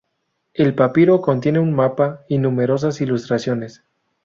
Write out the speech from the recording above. El papiro contiene un mapa y numerosas ilustraciones.